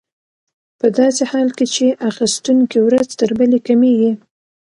په داسې حال کې چې اخیستونکي ورځ تر بلې کمېږي